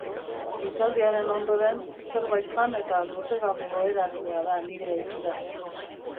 Hitzaldiaren ondoren, zerbait jan eta luze gabe oheratzea da nire ohitura.